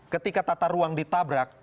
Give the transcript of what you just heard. ketika tata ruang ditabrak